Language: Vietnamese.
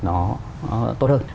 nó tốt hơn